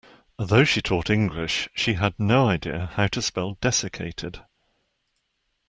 Although she taught English, she had no idea how to spell desiccated.